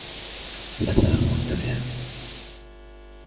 الأسعار مرتفعة.